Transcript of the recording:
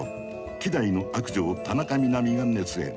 希代の悪女を田中みな実が熱演。